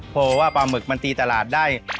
เพราะว่าปลาหมึกมันตีตลาดได้